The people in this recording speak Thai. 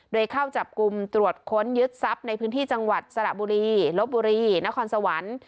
โดยเข้าจับกลุ่มตรวจค้นยึดทรัพย์ในพื้นที่จังหวัดสระบุรีลบบุรีนครสวรรค์